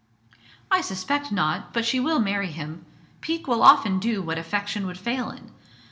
"I suspect not; but she will marry him. Pique will often do what affection would fail in.